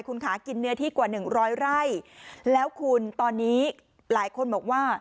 คุณคะกินเนื้อที่กว่าหนึ่งร้อยไร่แล้วคุณตอนนี้หลายคนบอกว่า